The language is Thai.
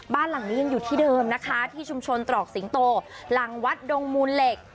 บ้านหลังนี้ยังอยู่ที่เดิมนะคะที่ชุมชนตรอกสิงโตหลังวัดดงมูลเหล็ก